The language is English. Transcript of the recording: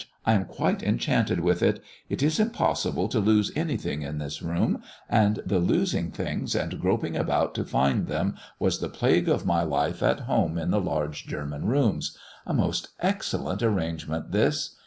I am quite enchanted with it! It is impossible to lose anything in this room, and the losing things and groping about to find them was the plague of my life at home in the large German rooms. A most excellent arrangement this!